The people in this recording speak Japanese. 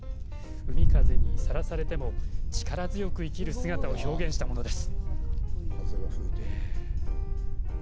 海風にさらされても、力強く生きる姿を表現したものです。